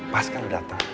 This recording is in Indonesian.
pas kan lo dateng